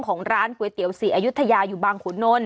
ของร้านก๋วยเตี๋ยวศรีอายุทยาอยู่บางขุนนล